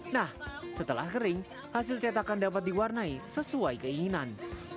nah setelah kering hasil cetakan dapat diwarnai sesuai keinginan